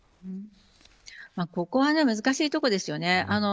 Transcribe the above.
ここは難しいところですよね。